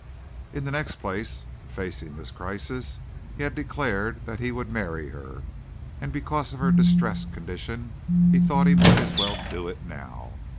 In the next place, facing this crisis, he had declared that he would marry her, and because of her distressed condition he thought he might as well do it now.